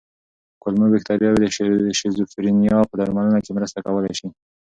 کولمو بکتریاوې د شیزوفرینیا په درملنه کې مرسته کولی شي.